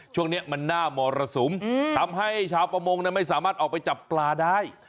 ช่วงนี้มันหน้ามรสุมทำให้ชาวประมงไม่สามารถออกไปจับปลาได้